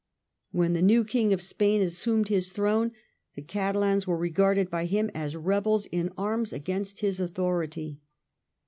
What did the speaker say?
When the new King of Spain assumed his throne the Catalans were regarded by him as rebels in arms against his authority.